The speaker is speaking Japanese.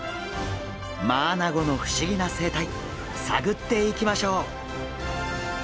マアナゴの不思議な生態探っていきましょう！